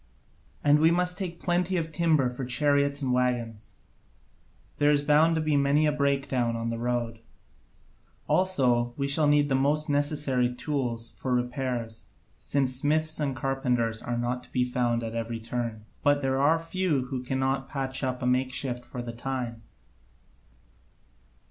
And we must take plenty of timber for chariots and waggons; there is bound to be many a breakdown on the road. Also we shall need the most necessary tools for repairs, since smiths and carpenters are not to be found at every turn, but there are few who cannot patch up a makeshift for the time.